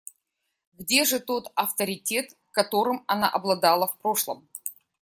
Где же тот авторитет, которым она обладала в прошлом?